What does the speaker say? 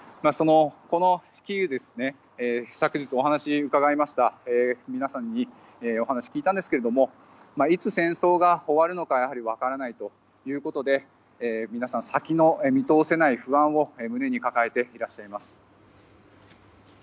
このキーウで昨日、お話を伺いました皆さんにお話を聞いたんですがいつ戦争が終わるのか分からないということで皆さん、先の見通せない不安を胸に抱えていらっしゃいます。